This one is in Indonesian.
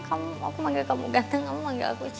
aku manggil kamu ganteng kamu manggil aku cantik